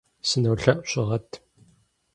Сынолъэӏу, щыгъэт.